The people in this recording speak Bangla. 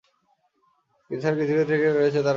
এছাড়া কিছু ক্ষেত্র রয়েছে যার কারণ অজানা।